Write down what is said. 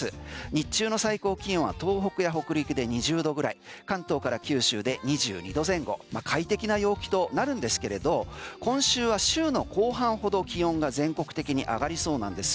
日中の最高気温は東北や北陸で２０度ぐらい関東から九州で２２度前後快適な陽気となるんですけれど今週は週の後半ほど気温が全国的に上がりそうなんです。